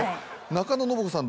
中野信子さん